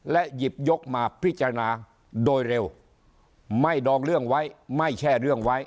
หยิบยกมาพิจารณาโดยเร็วไม่ดองเรื่องไว้ไม่ใช่เรื่องไว้